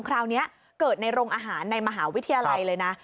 คราวนี้เกิดในโรงอาหารในมหาวิทยาลัยเลยนะ